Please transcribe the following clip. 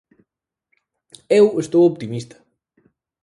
Eu estou optimista.